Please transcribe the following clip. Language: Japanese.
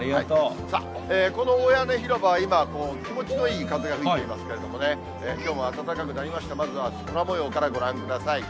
さあ、この大屋根広場は今、気持ちのいい風が吹いていますけれどもね、きょうも暖かくなりまして、まずは空もようからご覧ください。